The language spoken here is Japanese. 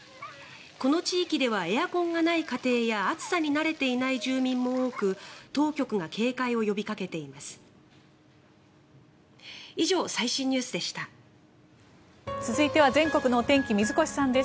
この地域ではエアコンがない家庭や暑さに慣れていない住民も多く当局が警戒を呼びかけています。